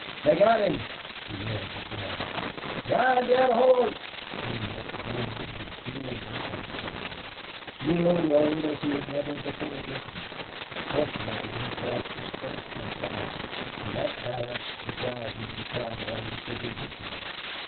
"They got him!" he yelled at Larry. "Ride thet hoss!" came back grimly and appealingly from the cowboy. Neale rode as he had never before ridden. Fortunately his horse was fresh and fast, and that balanced the driving the cowboy was giving his mount.